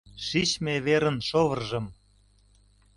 Шичме верын «шовыржым»